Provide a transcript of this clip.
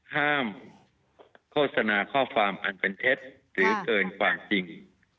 โฆษณาข้อความอันเป็นเท็จหรือเกินความจริง